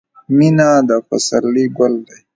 • مینه د پسرلي ګل دی.